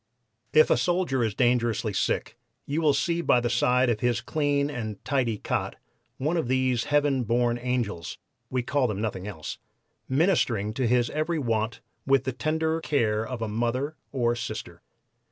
If a soldier is dangerously sick you will see by the side of his clean and tidy cot one of these heaven born 'angels' (we call them nothing else), ministering to his every want with the tender care of a mother or sister.